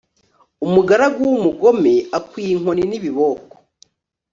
umugaragu w'umugome akwiye inkoni n'ibiboko